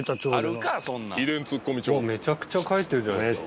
めちゃくちゃ書いてるじゃないですか。